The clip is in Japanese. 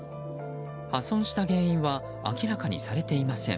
破損した原因は明らかにされていません。